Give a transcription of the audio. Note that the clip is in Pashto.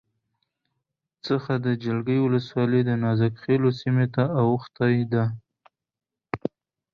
څخه د جلگې ولسوالی دنازک خیلو سیمې ته اوښتې ده